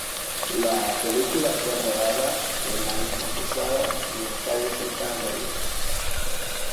La película fue rodada en la misma posada y en calles cercanas a ella.